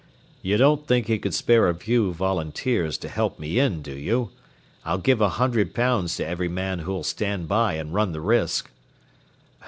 You don't think he could spare a few volunteers to help me in, do you? I'll give a hundred pounds to every man who'll stand by and run the risk."